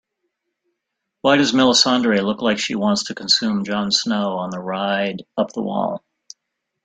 Why does Melissandre look like she wants to consume Jon Snow on the ride up the wall?